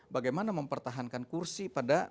bagaimana mempertahankan kursi